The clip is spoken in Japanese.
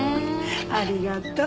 ありがとう。